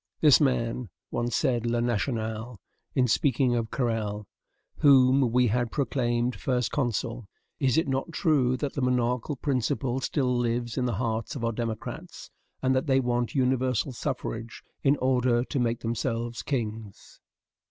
"This man," once said "Le National" in speaking of Carrel, "whom we had proclaimed FIRST CONSUL!... Is it not true that the monarchical principle still lives in the hearts of our democrats, and that they want universal suffrage in order to make themselves kings?